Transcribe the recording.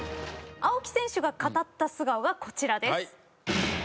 青木選手が語った素顔がこちらです。